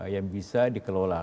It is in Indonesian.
yang bisa dikelola